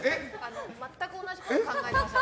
全く同じこと考えていました。